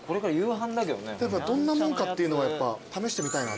どんなもんかっていうのを試してみたいな。